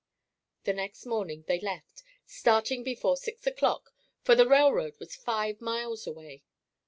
The next morning, they left, starting before six o'clock, for the railroad was five miles away.